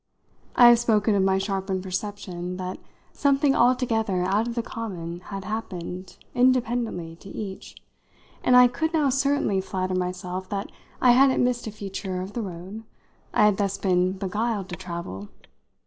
I have spoken of my sharpened perception that something altogether out of the common had happened, independently, to each, and I could now certainly flatter myself that I hadn't missed a feature of the road I had thus been beguiled to travel.